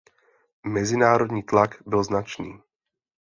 Mezinárodní tlak byl značný.